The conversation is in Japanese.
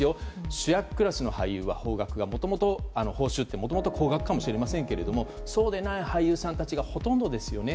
主役クラスの俳優は報酬ってもともと高額かもしれませんがそうでない俳優さんたちがほとんどですよね。